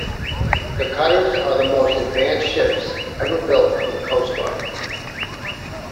The cutters are the most advanced ships ever built for the Coast Guard.